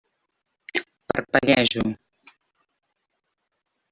Parpellejo.